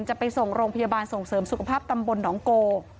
จะไปส่งโรงพยาบาลส่งเสริมสุขภาพตำบลหนองโก